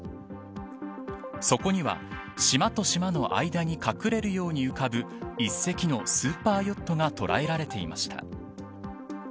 そこには島と島の間に隠れるように浮かぶ１隻のスーパーヨットが捉えられていました。